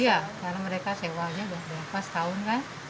iya karena mereka sewanya sudah berapa setahun kan